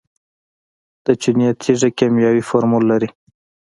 د چونې تیږه کیمیاوي فورمول لري.